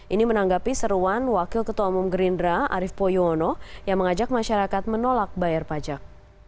ini menanggapi seruan wakil ketua umum gerindra arief poyuono yang mengajak masyarakat menolak bayar pajak